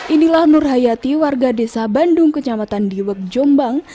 inilah nur hayati warga desa bandung kecamatan diwek jombang